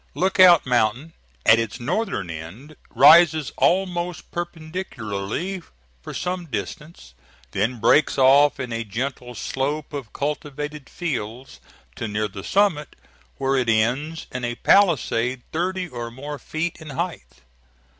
Lookout Mountain, at its northern end, rises almost perpendicularly for some distance, then breaks off in a gentle slope of cultivated fields to near the summit, where it ends in a palisade thirty or more feet in height.